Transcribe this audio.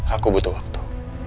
aku butuh waktu